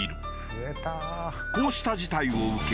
こうした事態を受け